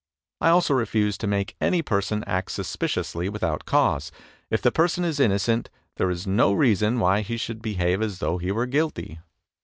I also refuse to make any person act suspiciously without cause. If the person is innocent there is no reason why he should behave as though he were guilty.